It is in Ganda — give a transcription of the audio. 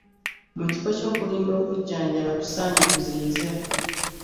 Mu kifo ky'okulinda okujjanjaba tusaanye tuziyize.